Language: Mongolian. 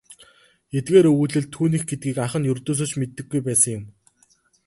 Эдгээр өгүүлэл түүнийх гэдгийг ах нь ердөөсөө ч мэддэггүй байсан юм.